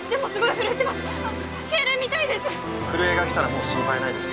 震えが来たらもう心配ないです。